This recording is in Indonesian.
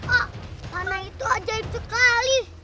ah panah itu ajaib sekali